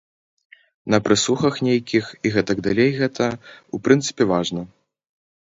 На прэсухах нейкіх і гэтак далей гэта, у прынцыпе, важна.